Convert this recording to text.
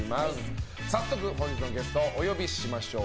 早速、本日のゲストをお呼びしましょう。